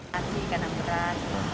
masih ikan angguran